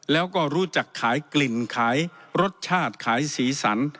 แล้วก็รู้จักขายกลิ่นขายรสชาติขายสีสัน